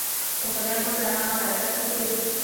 که خدای مه کړه هغه حرکت وکړي.